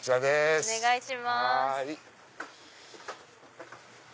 お願いします。